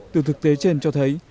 từ thực tế trên cho thấy